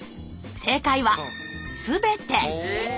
正解は全て。